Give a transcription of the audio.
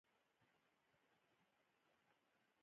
ځوانانو ته پکار ده چې، مطبوعات قوي کړي.